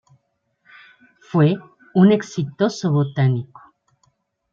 Fue un exitoso botánico.